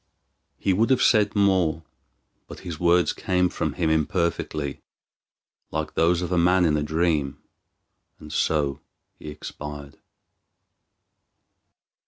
He would have said more, but his words came from him imperfectly, like those of a man in a dream, and so he expired.